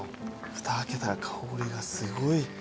ふた開けたら香りがすごい。